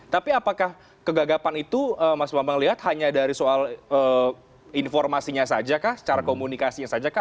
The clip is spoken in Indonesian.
tapi apakah kegagapan itu mas bambang lihat hanya dari soal informasinya saja kah secara komunikasinya saja kah